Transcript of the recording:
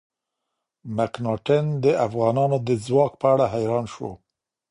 مکناتن د افغانانو د ځواک په اړه حیران شو.